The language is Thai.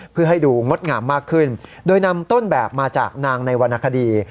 เพื่อให้ดูงดงามมากขึ้นโดยนำต้นแบบมาจากนางในวรรณคดี